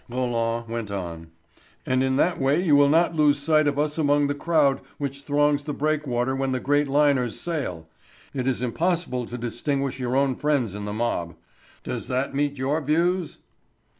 Roland went on: "And in that way you will not lose sight of us among the crowd which throngs the breakwater when the great liners sail. It is impossible to distinguish your own friends in the mob. Does that meet your views?"